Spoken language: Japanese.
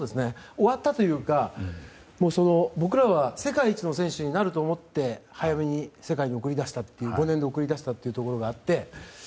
終わったというか僕らは世界一の選手になると思って、早めに世界に５年で送り出したというところがあって。